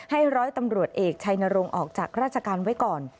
ร้อยตำรวจเอกชัยนรงค์ออกจากราชการไว้ก่อน